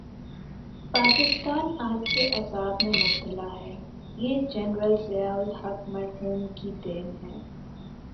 پاکستان آج جس عذاب میں مبتلا ہے، یہ جنرل ضیاء الحق مرحوم کی دین ہے۔